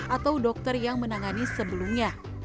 atau dokter yang menangani sebelumnya